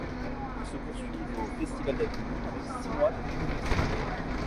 Elles se poursuivent au festival d'Avignon avec six mois de prolongation.